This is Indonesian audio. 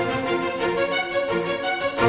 udah ngeri ngeri aja